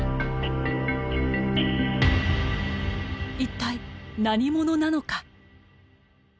一体何者なのか？